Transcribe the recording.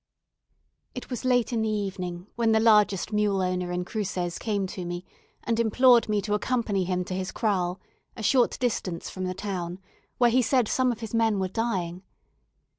It was late in the evening when the largest mule owner in Cruces came to me and implored me to accompany him to his kraal, a short distance from the town, where he said some of his men were dying.